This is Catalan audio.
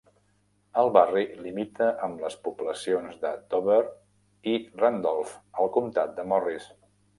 El barri limita amb les poblacions de Dover i Randolph, al comtat de Morris.